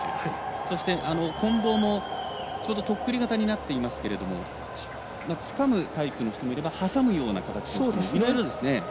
そして、こん棒もちょうどとっくり型になっていますがつかむタイプの人もいれば挟むようなタイプの人いろいろですね。